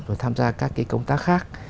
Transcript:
rồi tham gia các công tác khác